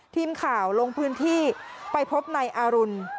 ทีมข่าวลงพื้นที่ไปพบนายอารุณ